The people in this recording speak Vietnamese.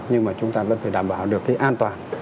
nhưng mà chúng ta vẫn phải đảm bảo được cái an toàn